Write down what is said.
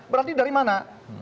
berarti dari mana